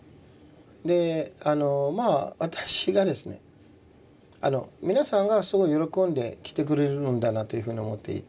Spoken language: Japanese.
でまあ私がですね皆さんがすごい喜んで来てくれるんだなというふうに思っていて。